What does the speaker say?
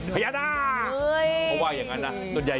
พยานา